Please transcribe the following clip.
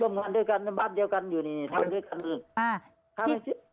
ร่วมกันด้วยกันบ้านเดียวกันอยู่นี่ทำด้วยกันอืมอ่า